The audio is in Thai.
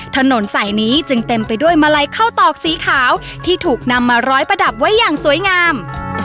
ถนนสายนี้จึงเต็มไปด้วยมาลัยข้าวตอกสีขาวที่ถูกนำมาร้อยประดับไว้อย่างสวยงาม